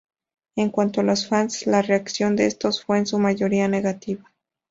En cuanto a los fans, la reacción de estos fue en su mayoría negativa.